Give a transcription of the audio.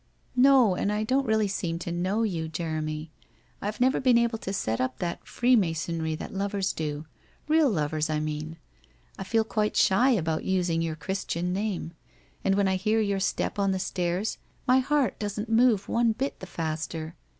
1 No, and I don't really seem to know you, Jeremy. I have never been able to set up that freemasonry that lovers do — real lovers, I mean. I feel quite shy about us ing your Christian name, and when I hear your step on the stairs my heart doesn't move one bit the faster.